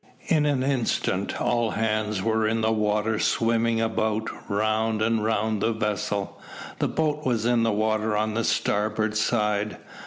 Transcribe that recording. In an instant all hands were in the water swimming about round and round the vessel. The boat was in the water on the starboard side.